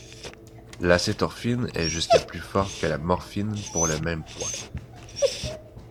L'acétorphine est jusqu'à plus forte que la morphine pour le même poids.